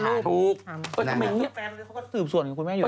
ใช่เลยโอ้ครั้งนี้คือแฟนก็ก็สืบส่วนกับคุณแม่อยู่